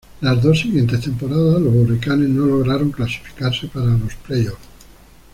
Las dos siguientes temporadas los Hurricanes no lograron clasificarse para los playoff.